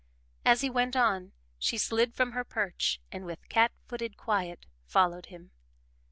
As he went on, she slid from her perch and with cat footed quiet followed him.